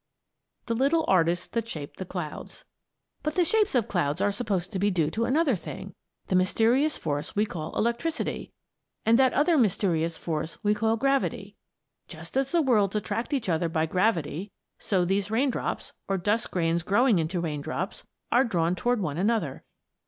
THE LITTLE ARTISTS THAT SHAPE THE CLOUDS But the shapes of clouds are supposed to be due to another thing, the mysterious force we call electricity, and that other mysterious force we call gravity. Just as the worlds attract each other by gravity so these raindrops or dust grains growing into raindrops are drawn toward one another.